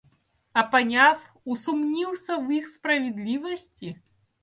А поняв, усумнился в их справедливости?